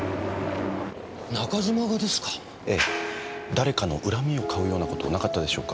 誰かの恨みを買うような事なかったでしょうか？